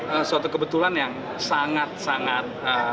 ini suatu kebetulan yang sangat sangat